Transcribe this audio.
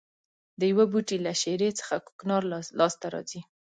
د یوه بوټي له شېرې څخه کوکنار لاس ته راځي.